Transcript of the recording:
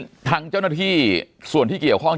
จนถึงปัจจุบันมีการมารายงานตัว